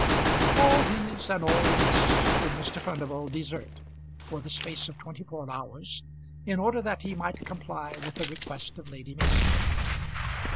All these and all this did Mr. Furnival desert for the space of twenty four hours in order that he might comply with the request of Lady Mason.